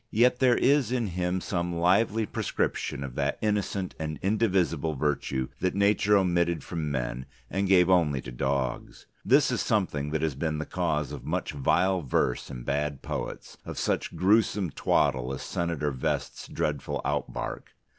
Yet there is in him some lively prescription of that innocent and indivisible virtue that Nature omitted from men and gave only to Dogs. This is something that has been the cause of much vile verse in bad poets, of such gruesome twaddle as Senator Vest's dreadful outbark.